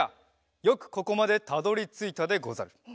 よくここまでたどりついたでござる。